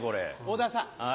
小田さん。